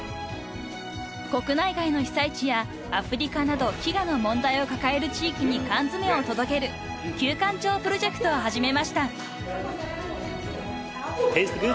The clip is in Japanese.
［国内外の被災地やアフリカなど飢餓の問題を抱える地域に缶詰を届ける救缶鳥プロジェクトを始めました］